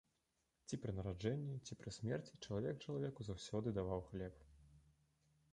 Ці пры нараджэнні, ці пры смерці чалавек чалавеку заўсёды даваў хлеб.